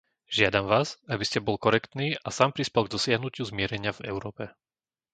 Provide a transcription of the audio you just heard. Žiadam vás, aby ste bol korektný a sám prispel k dosiahnutiu zmierenia v Európe!